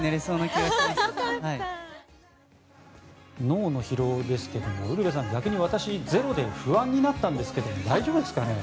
脳の疲労ですがウルヴェさん、逆に私ゼロで不安になったんですけど大丈夫ですかね。